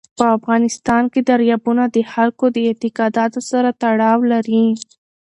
په افغانستان کې دریابونه د خلکو د اعتقاداتو سره تړاو لري.